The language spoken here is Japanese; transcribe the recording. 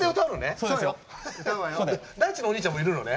大知のお兄ちゃんもいるのね？